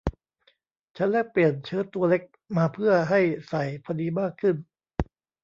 ฉันแลกเปลี่ยนเชิ้ตตัวเล็กมาเพื่อให้ใส่พอดีมากขึ้น